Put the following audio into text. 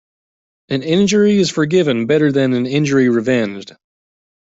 An injury is forgiven better than an injury revenged.